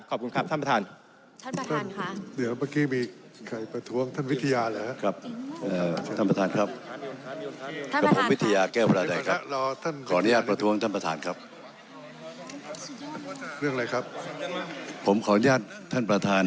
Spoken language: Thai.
ขอบคุณครับท่านประธาน